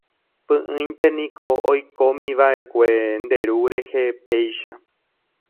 Py'ỹinte niko oikómiva'ekue nde ru rehe péicha.